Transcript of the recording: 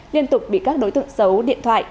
liên tục bị các đối tượng xấu điện thoại